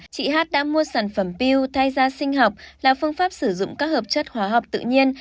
chị hát đã mua sản phẩm piu thay da sinh học là phương pháp sử dụng các hợp chất hóa học tự nhiên